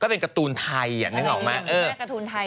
เป็นการ์ตูนไทยนึกออกไหม